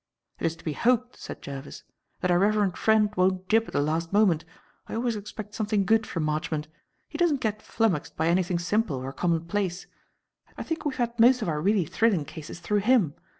"It is to be hoped," said Jervis, "that our reverend friend won't jib at the last moment. I always expect something good from Marchmont. He doesn't get flummoxed by anything simple or common place. I think we have had most of our really thrilling cases through him.